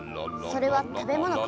それは食べものか？